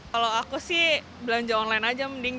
kalau aku sih belanja online aja mending